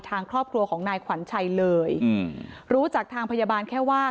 ทางครอบครัวของนายขวัญชัยเลยอืมรู้จากทางพยาบาลแค่ว่า